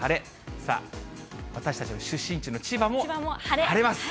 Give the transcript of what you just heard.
さあ、私たちの出身地の千葉も晴れます。